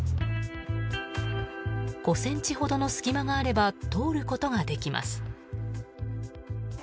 ５ｃｍほどの隙間があれば通ることができます。